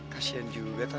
kasian juga itu nak